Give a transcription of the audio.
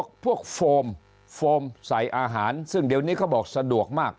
ครับพวกโฟมใส่อาหารซึ่งเดี๋ยวนี้ก็บอกสะดวกมาก